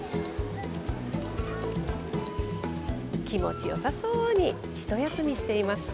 気持ちよさそうに一休みしていました。